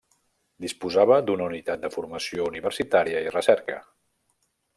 Disposava d'una unitat de formació universitària i recerca.